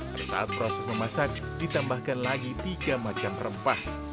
pada saat proses memasak ditambahkan lagi tiga macam rempah